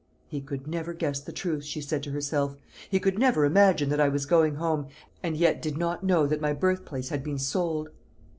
"He could never guess the truth," she said to herself. "He could never imagine that I was going home, and yet did not know that my birthplace had been sold."